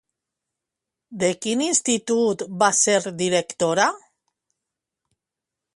De quin institut va ser directora?